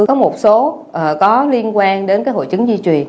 có một số có liên quan đến hội chứng di truyền